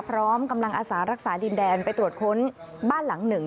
พร้อมกำลังอาสารักษาดินแดนไปตรวจค้นบ้านหลังหนึ่ง